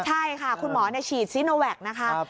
ใช่ค่ะคุณหมอฉีดซีโนแวคนะคะ